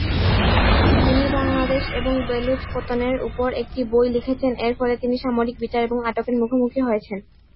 তিনি বাংলাদেশ এবং বেলুচ পতনের উপর একটি বই লিখেছেন, এর ফলে তিনি সামরিক বিচার এবং আটকের মুখোমুখি হয়েছেন।